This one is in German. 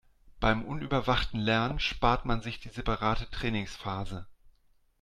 Beim unüberwachten Lernen spart man sich die separate Trainingsphase.